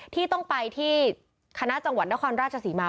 ที่ต้องไปที่คณะจังหวัดนครราชศรีมา